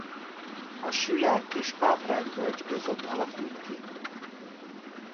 A Süle- és Páprágy-völgy között alakult ki.